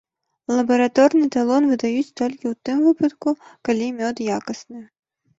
Лабараторны талон выдаюць толькі ў тым выпадку, калі мёд якасны.